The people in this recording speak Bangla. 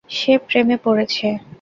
সে প্রেমে পড়েছে।